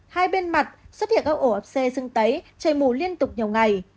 hai bên mặt xuất hiện các ổ ập xe dưng tấy chảy mù liên tục nhiều ngày